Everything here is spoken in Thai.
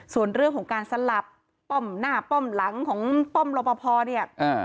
ส่วนเรื่องของการสลับป้อมหน้าป้อมหลังของป้อมรปภเนี่ย